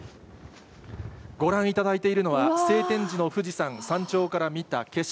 ご覧いただいているのは、晴天時の富士山、山頂から見た景色。